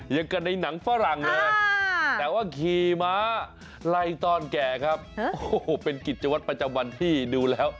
อย่างกันในหนังฝรั่งเลยแต่ว่าขี่ม้าไล่ต้อนแก่ครับโอ้โหเป็นกิจวัตรประจำวันที่ดูแล้ว